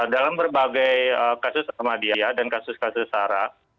dalam berbagai kasus ahmadiyah dan kasus kasus sarah